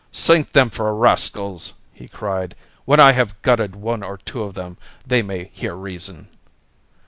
"Sink them for rascals!" he cried. "When I have gutted one or two of them they may hear reason."